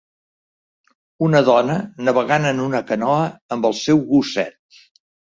Una dona navegant en una canoa amb el seu gosset